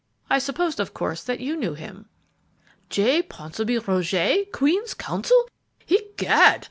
I supposed of course that you knew him." "J. Ponsonby Roget, Queen's Counsel? Egad!